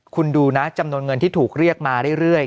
คุณดูนะจำนวนเงินที่ถูกเรียกมาเรื่อย